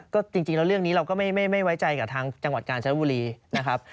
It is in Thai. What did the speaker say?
ก็จริงแล้วเรื่องนี้เราก็ไม่ไว้ใจกับทางจังหวัดกาญจนบุรีนะครับ